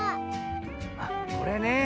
あっこれね。